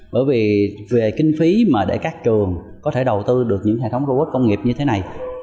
bởi vì về kinh phí mà để các trường có thể đầu tư được những hệ thống robot công nghiệp như thế này